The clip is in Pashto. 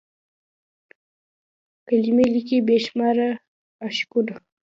کلمې لیکي بې شمیر عشقونه